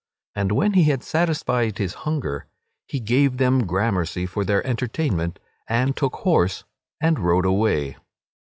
And when he had satisfied his hunger, he gave them grammercy for their entertainment, and took horse and rode away.